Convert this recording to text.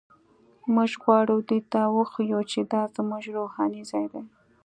موږ غواړو دوی ته وښیو چې دا زموږ روحاني ځای دی.